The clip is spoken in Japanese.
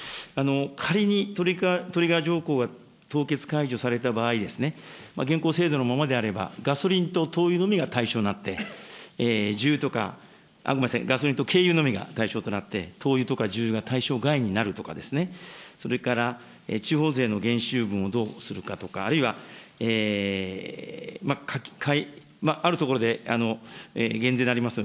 仮に、トリガー条項が凍結解除された場合、現行制度のままであれば、ガソリンと灯油のみが対象になって、重油とか、ごめんなさい、ガソリンと軽油のみが対象となって、灯油とか重油が対象外になるとか、それから地方税の減収分をどうするかとか、あるいはあるところで減税であります